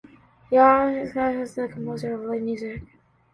He is often classed as a composer of 'light music'.